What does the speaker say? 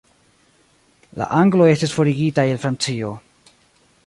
La Angloj estis forigitaj el Francio.